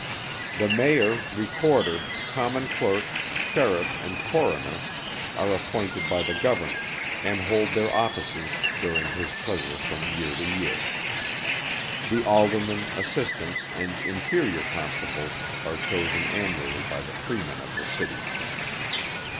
The Mayor, Recorder, Common Clerk, Sheriff, and Coroner, are appointed by the Governor, and hold their offices during his pleasure from year to year. The Aldermen, Assistants, and inferior Constables are chosen annually by the Freemen of the City.